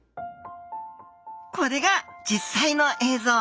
これが実際の映像。